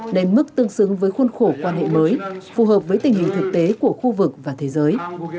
lên mức tương xứng với khuôn khổ quan hệ mới phù hợp với tình hình thực tế của khu vực và thế giới